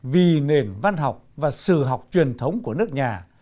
vì nền văn học và sử học truyền thống của nước nhà